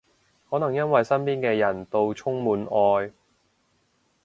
可能因為身邊嘅人到充滿愛